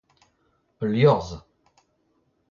ul liorzh